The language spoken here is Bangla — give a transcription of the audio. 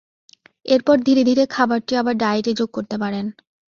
এরপর ধীরে ধীরে খাবারটি আবার ডায়েটে যোগ করতে পারেন।